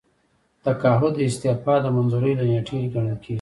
تقاعد د استعفا د منظورۍ له نیټې ګڼل کیږي.